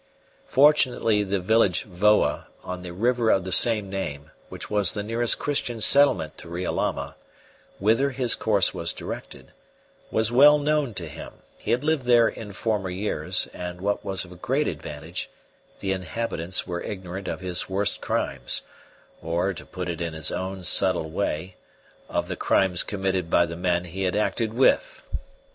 Fortunately the village Voa, on the river of the same name, which was the nearest Christian settlement to Riolama, whither his course was directed, was well known to him; he had lived there in former years, and, what was of great advantage, the inhabitants were ignorant of his worst crimes, or, to put it in his own subtle way, of the crimes committed by the men he had acted with.